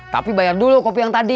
tapi bayar dulu kopi yang tadi